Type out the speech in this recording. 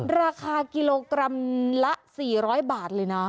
ราคากิโลกรัมละสี่ร้อยบาทเลยนะ